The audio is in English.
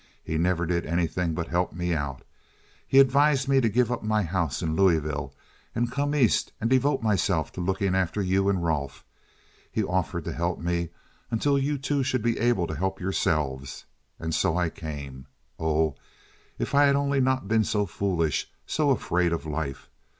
"He never did anything but help me out. He advised me to give up my house in Louisville and come East and devote myself to looking after you and Rolfe. He offered to help me until you two should be able to help yourselves, and so I came. Oh, if I had only not been so foolish—so afraid of life!